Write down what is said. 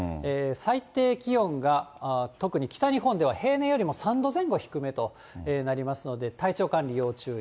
最低気温が特に北日本では平年よりも３度前後低めとなりますので、体調管理要注意。